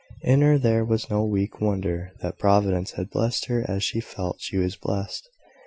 In her there was no weak wonder that Providence had blessed her as she felt she was blessed.